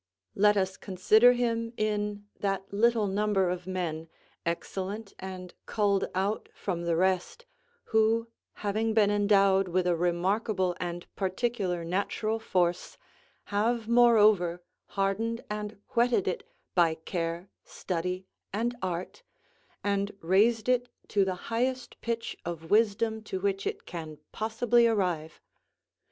Let us consider him in that little number of men, excellent and culled out from the rest, who, having been endowed with a remarkable and particular natural force, have moreover hardened and whetted it by care, study, and art, and raised it to the highest pitch of wisdom to which it can possibly arrive.